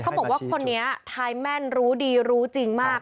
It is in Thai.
เขาบอกว่าคนนี้ทายแม่นรู้ดีรู้จริงมาก